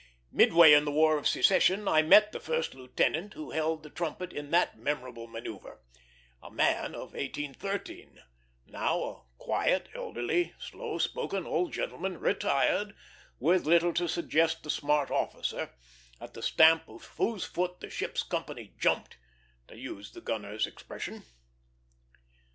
Midway in the War of Secession I met the first lieutenant who held the trumpet in that memorable manoeuvre a man of 1813; now a quiet, elderly, slow spoken old gentleman, retired, with little to suggest the smart officer, at the stamp of whose foot the ship's company jumped, to use the gunner's expression.